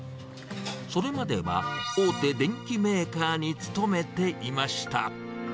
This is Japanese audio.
それまでは大手電機メーカーに勤めていました。